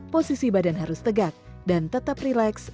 posisi badan harus tegak dan tetap rileks